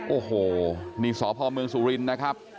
โอ้โหนี่สอบภอมเมืองสุรินนะครับ